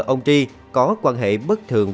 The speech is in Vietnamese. ông ri có quan hệ bất thường